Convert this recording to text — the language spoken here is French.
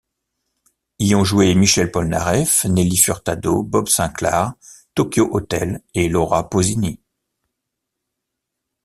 Y ont joué Michel Polnareff, Nelly Furtado, Bob Sinclar, Tokio Hotel et Laura Pausini.